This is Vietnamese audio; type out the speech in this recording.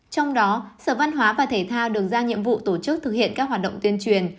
trong đó sở văn hóa và thể thao được ra nhiệm vụ tổ chức thực hiện các hoạt động tuyên truyền